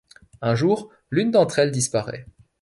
Un jour, l'une d'entre elles disparaît.